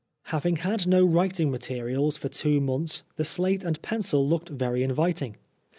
Having had no writing materials for two months the slate and pencil looked very inviting.